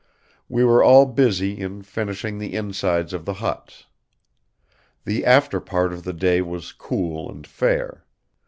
We were all busy in finishing the insides of the huts. The after part of the day was cool and fair.